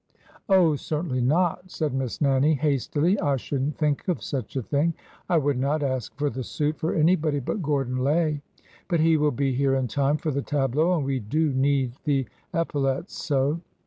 Oh, certainly not," said Miss Nannie, hastily. I should n't think of such a thing. I would not ask for the suit for anybody but Gordon Lay. But he will be here in time for the tableaux, and we do need the epau lets so."